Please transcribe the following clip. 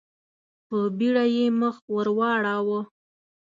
په بېړه يې مخ ور واړاوه.